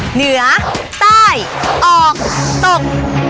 เหนือใต้ออกตก